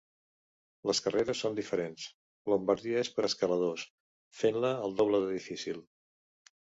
Les carreres són diferents - Lombardia és per escaladors - fent-la el doble de difícil.